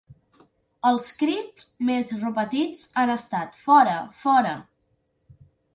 Els crits més repetits han estat ‘Fora, fora!’